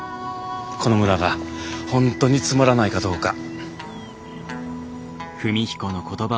この村が本当につまらないかどうか。